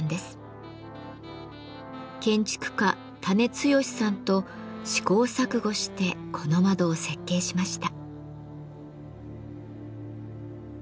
建築家田根剛さんと試行錯誤してこの窓を設計しました。